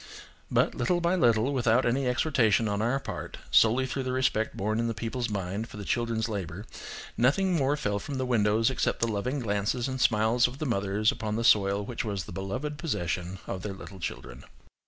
But, little by little, without any exhortation on our part, solely through the respect born in the people's mind for the children's labour, nothing more fell from the windows, except the loving glances and smiles of the mothers upon the soil which was the beloved possession of their little children.